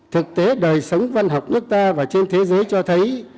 thực tế đời sống văn học nước ta và trên thế giới cho thấy